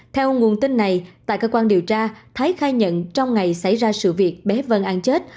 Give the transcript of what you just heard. theo nguồn tin này tại cơ quan điều tra thái khai nhận trong ngày xảy ra sự việc bé vân ăn chết